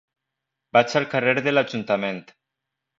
Vaig al carrer de l'Ajuntament.